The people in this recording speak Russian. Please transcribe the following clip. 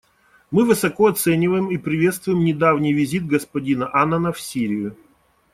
Мы высоко оцениваем и приветствуем недавний визит господина Аннана в Сирию.